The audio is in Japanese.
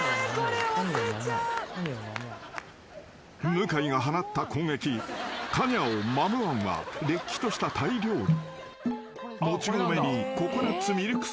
［向井が放った攻撃カオニャオ・マムアンはれっきとしたタイ料理］